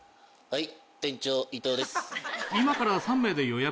はい。